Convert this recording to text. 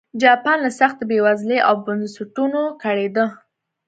جاپان له سختې بېوزلۍ او بنسټونو کړېده.